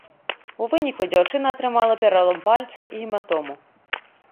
У выніку дзяўчына атрымала пералом пальца і гематому.